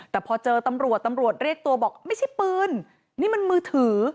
แต่พอเจอตำรวจตำรวจเรียกตัวบอกไม่ใช่ปืนนี่มันมือถือ